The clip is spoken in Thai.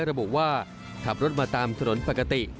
ระบุว่าขับรถมาตามถนนปกติ